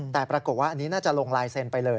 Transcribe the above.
แต่ปรากฏว่าอันนี้น่าจะลงลายเซ็นต์ไปเลย